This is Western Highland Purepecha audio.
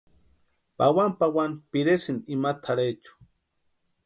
Pawani pawani piresïnti ima tʼarhechu.